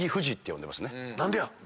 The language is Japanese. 何でや？